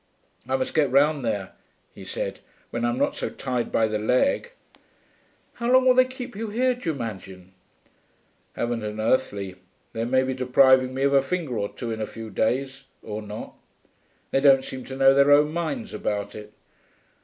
'I must get round there,' he said, 'when I'm not so tied by the leg.' 'How long will they keep you here, d'you imagine?' 'Haven't an earthly. They may be depriving me of a finger or two in a few days. Or not. They don't seem to know their own minds about it.'